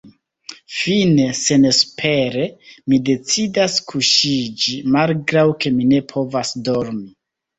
Fine, senespere, mi decidas kuŝiĝi, malgraŭ ke mi ne povas dormi.